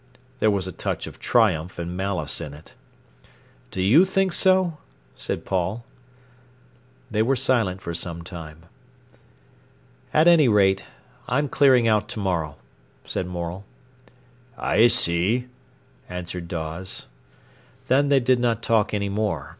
There was a touch of triumph and malice in it. "Do you think so?" said Paul. They were silent for some time. "At any rate, I'm clearing out to morrow," said Morel. "I see," answered Dawes. Then they did not talk any more.